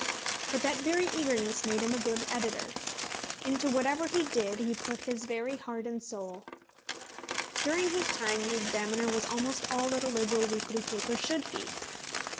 But that very eagerness made him a good editor. Into whatever he did he put his very heart and soul. During his time the Examiner was almost all that a Liberal weekly paper should be.